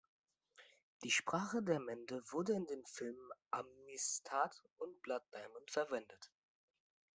Die Sprache der Mende wurde in den Filmen Amistad und Blood Diamond verwendet.